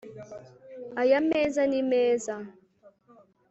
aya meza ni meza